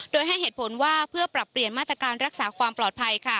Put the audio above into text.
โดยให้เหตุผลว่าเพื่อปรับเปลี่ยนมาตรการรักษาความปลอดภัย